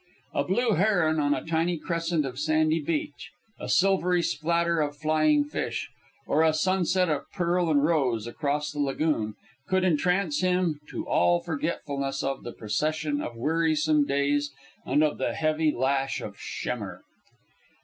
A blue heron on a tiny crescent of sandy beach, a silvery splatter of flying fish, or a sunset of pearl and rose across the lagoon, could entrance him to all forgetfulness of the procession of wearisome days and of the heavy lash of Schemmer.